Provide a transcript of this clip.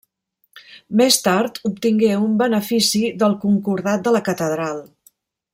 Més tard obtingué un benefici del concordat de la catedral.